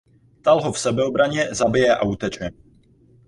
Tal ho v sebeobraně zabije a uteče.